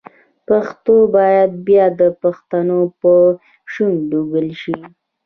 پښتو باید بیا د پښتنو په شونډو ګل شي.